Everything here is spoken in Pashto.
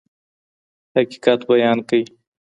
حقیقت بیان کړئ.